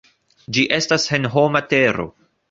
Ĝi estas senhoma tero.